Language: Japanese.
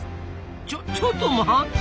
ちょちょっと待った！